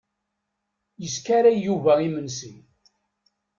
Yeskaray Yuba imensi.